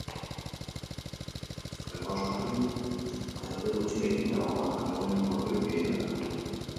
Zerua oskarbi edo hodei gutxirekin egongo da eguneko ordurik gehienetan.